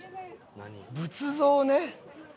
仏像ね。